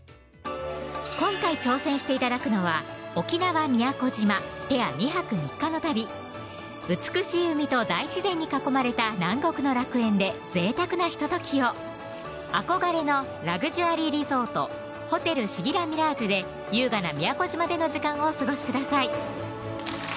今回挑戦して頂くのは沖縄・宮古島ペア２泊３日の旅美しい海と大自然に囲まれた南国の楽園でぜいたくなひとときを憧れのラグジュアリーリゾート・ホテルシギラミラージュで優雅な宮古島での時間をお過ごしください